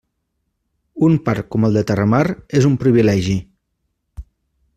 Un parc com el de Terramar és un privilegi.